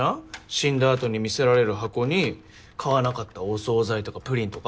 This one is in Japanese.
死んだあとに見せられる箱に買わなかったお総菜とかプリンとか？